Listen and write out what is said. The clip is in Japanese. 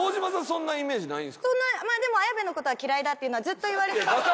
そんなまあでも「綾部の事は嫌いだ」っていうのはずっと言われて。